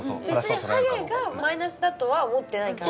別にハゲがマイナスだとは思ってないから。